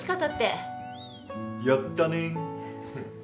やったね。